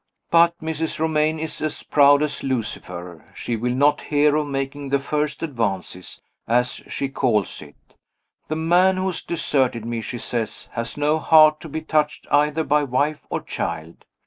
But Mrs. Romayne is as proud as Lucifer; she will not hear of making the first advances, as she calls it. 'The man who has deserted me,' she says, 'has no heart to be touched either by wife or child.